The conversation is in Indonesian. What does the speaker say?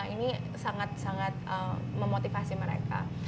ini sangat sangat memotivasi mereka